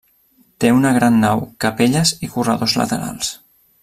Té una gran nau, capelles i corredors laterals.